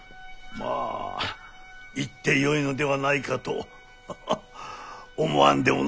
まあ言ってよいのではないかとハハッ思わんでもない。